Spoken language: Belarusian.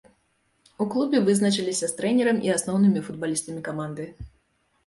У клубе вызначыліся з трэнерам і асноўнымі футбалістамі каманды.